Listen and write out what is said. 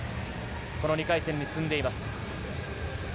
２回戦に進んでいます。